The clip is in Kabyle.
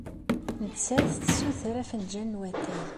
Nettat tessuter afenjal n watay.